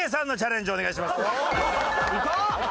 いこう！